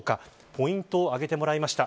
ポイントを挙げてもらいました。